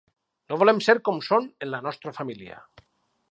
No volem ser com són en la nostra família.